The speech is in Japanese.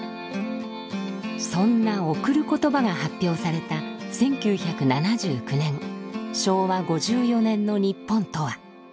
そんな「贈る言葉」が発表された１９７９年昭和５４年の日本とは。